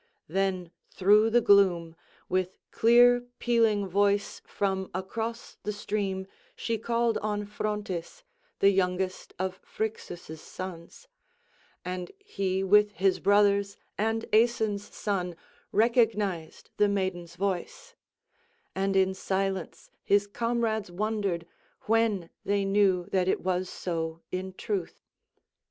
Then through the gloom, with clear pealing voice from across the stream, she called on Phrontis, the youngest of Phrixus' sons, and he with his brothers and Aeson's son recognised the maiden's voice; and in silence his comrades wondered when they knew that it was so in truth.